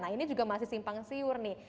nah ini juga masih simpang siur nih